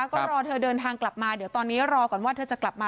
ก็รอเธอเดินทางกลับมาเดี๋ยวตอนนี้รอก่อนว่าเธอจะกลับมา